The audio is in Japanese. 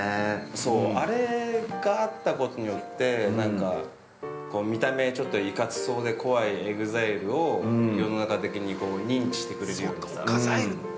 ◆そう、あれがあったことによって見た目、ちょっといかつそうで怖いＥＸＩＬＥを世の中的に認知してくれるようにさ。